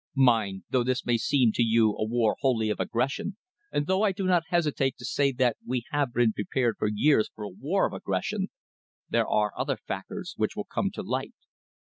Mind, though this may seem to you a war wholly of aggression, and though I do not hesitate to say that we have been prepared for years for a war of aggression, there are other factors which will come to light.